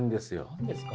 何ですか？